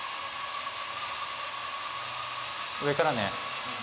上からね。